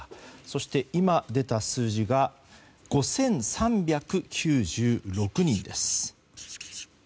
そして、今出た数字が５３９６人です。